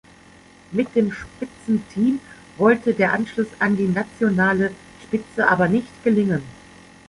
Mit dem Spitzenteam wollte der Anschluss an die nationale Spitze aber nicht gelingen.